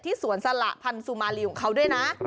สวนสละพันธุมารีของเขาด้วยนะ